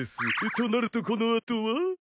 となるとこのあとは。